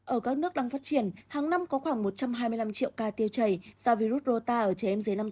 ở các nước đang phát triển tháng năm có khoảng một trăm hai mươi năm triệu ca tiêu chảy do virus rô ta ở trẻ em dưới năm tuổi